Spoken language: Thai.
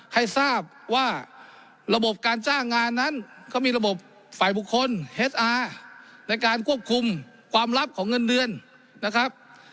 ให้ทราบว่าระบบการจ้างงานนั้นเขามีระบบฝ่ายบุคคลเฮสอาร์ในการควบคุมความลับของเงินเดือนนะครับ